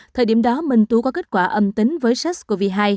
thời điểm đó minh tú có kết quả âm tính với sars cov hai